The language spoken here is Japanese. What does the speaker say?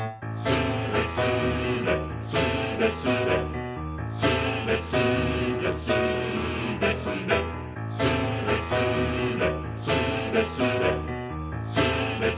「スレスレスレスレ」「スレスレスーレスレ」「スレスレ」